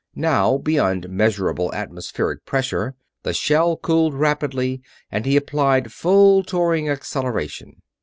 Now beyond measurable atmospheric pressure, the shell cooled rapidly and he applied full touring acceleration.